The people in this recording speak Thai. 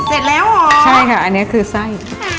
เสร็จแล้วเหรอใช่ค่ะอันนี้คือไส้